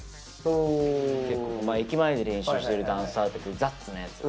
駅前で練習してるダンサーザッツなやつ。